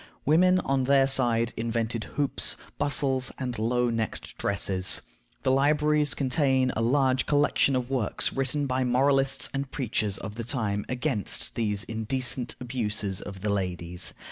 Women, on their side, invented hoops, bustles, and low necked dresses. The libraries contain a large collection of works written by moralists and preachers of the time against these "indecent abuses" of the ladies.